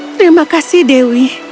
terima kasih dewi